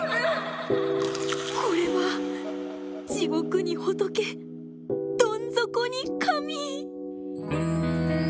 これは地獄に仏どん底に神！